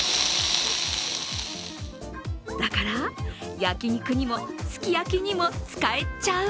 だから、焼肉にもすき焼きにも使えちゃう。